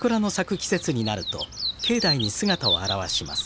季節になると境内に姿を現します。